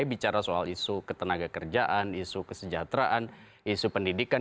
bicara soal isu ketenaga kerjaan isu kesejahteraan isu pendidikan